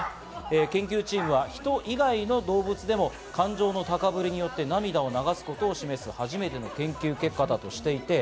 研究チームは人以外の動物でも感情の高ぶりによって涙を流すことを示す初めての研究成果だとしています。